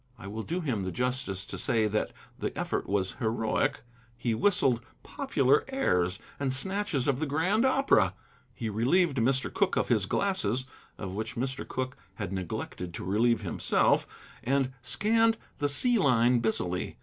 I will do him the justice to say that the effort was heroic: he whistled popular airs, and snatches of the grand opera; he relieved Mr. Cooke of his glasses (of which Mr. Cooke had neglected to relieve himself), and scanned the sea line busily.